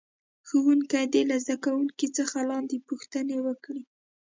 ښوونکی دې له زده کوونکو څخه لاندې پوښتنې وکړي.